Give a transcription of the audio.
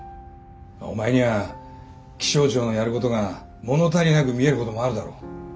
お前には気象庁のやることが物足りなく見えることもあるだろう。